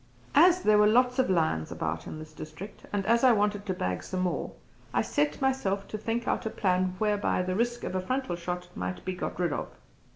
As there were lots of lions about in this district and as I wanted to bag some more, I set myself to think out a plan whereby the risk of a frontal shot might be got rid of.